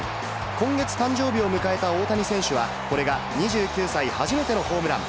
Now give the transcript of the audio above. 今月誕生日を迎えた大谷選手は、これが２９歳初めてのホームラン。